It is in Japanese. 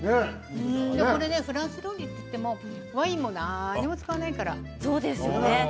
これフランス料理といってもワインも何も使わないから。